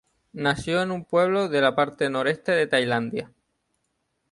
Nació en un pueblo de la parte noreste de Tailandia.